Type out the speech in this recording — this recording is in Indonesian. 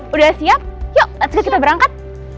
udah siap yuk segera kita berangkat